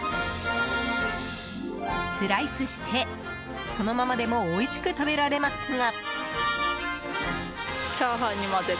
スライスしてそのままでもおいしく食べられますが。